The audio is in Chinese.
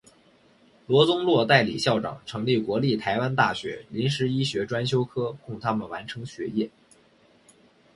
罗宗洛代理校长成立国立台湾大学临时医学专修科供他们完成学业。